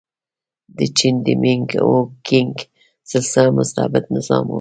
د چین د مینګ او کینګ سلسله مستبد نظام و.